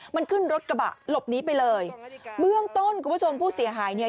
มันขึ้นรถกระบะหลบหนีไปเลยเบื้องต้นคุณผู้ชมผู้เสียหายเนี่ย